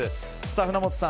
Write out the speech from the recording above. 船本さん